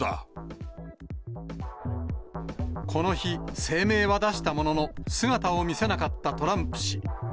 この日、声明は出したものの、姿を見せなかったトランプ氏。